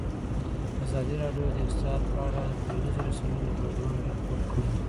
ازادي راډیو د اقتصاد په اړه د ټولنیزو رسنیو غبرګونونه راټول کړي.